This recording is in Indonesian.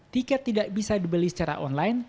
tiket tidak bisa dibeli secara online